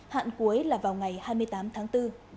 hạn cuối là vào ngày hai mươi tám tháng bốn